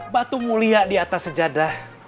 batu mulia di atas sejadah